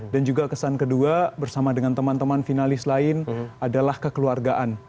juga kesan kedua bersama dengan teman teman finalis lain adalah kekeluargaan